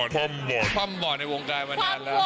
คว่ำบอดในวงกายมานานแล้ว